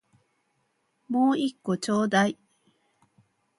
もう一個ちょうだい